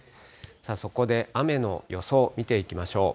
そこで雨の予想、見ていきましょう。